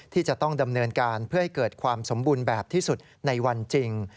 ที่จะต้องดำเนินการเพื่อให้เกิดความสมบูรณ์แบบที่สุดในวันจริง